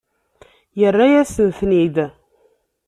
Yerra-yasen-ten-id?